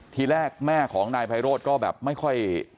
ทีแรกแม่ของนายไพโรธก็แบบไม่ค่อย